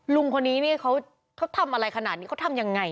ลุงคนนี้เนี่ยเขาทำอะไรขนาดนี้เขาทำยังไง